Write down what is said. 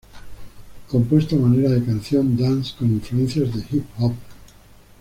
Compuesta a manera de canción "dance" con influencias de "hip hop".